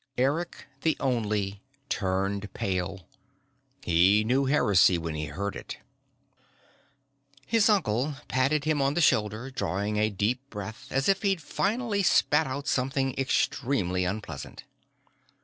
Eric the Only turned pale. He knew heresy when he heard it. His uncle patted him on the shoulder, drawing a deep breath as if he'd finally spat out something extremely unpleasant.